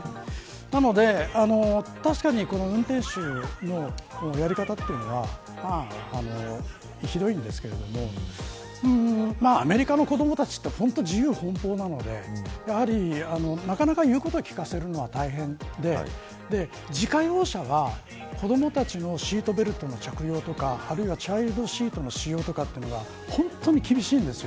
なので、確かに運転手のやり方というのはひどいんですけどアメリカの子どもたちは本当に自由奔放なのでなかなか言うことを聞かせるのは大変で自家用車は子どもたちのシートベルトの着用とかチャイルドシートの使用は本当に厳しいんです。